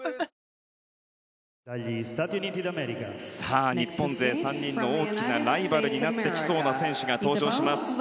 中日本勢３人の大きなライバルになってきそうな選手が登場します。